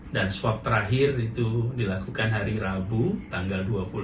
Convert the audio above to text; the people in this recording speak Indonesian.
dan swab terakhir itu dilakukan hari rabu tanggal dua puluh lima november